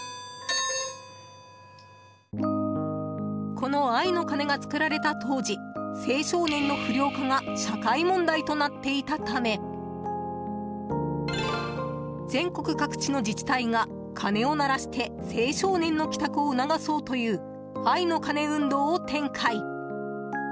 この「愛の鐘」が作られた当時青少年の不良化が社会問題となっていたため全国各地の自治体が鐘を鳴らして青少年の帰宅を促そうという愛の鐘運動を展開。